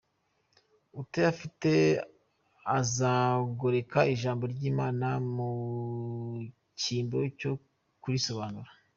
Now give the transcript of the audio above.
Utayifite azagoreka Ijambo ry’Imana mu cyimbo cyo kurisobanura.